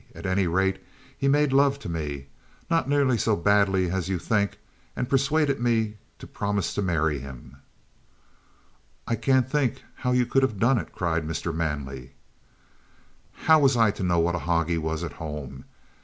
At any rate, he made love to me, not nearly so badly as you'd think, and persuaded me to promise to marry him." "I can't think how you could have done it!" cried Mr. Manley. "How was I to know what a hog he was at home?